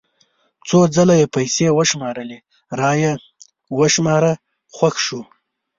څو ځله یې پیسې وشمارلې را یې وشماره خوښ شو.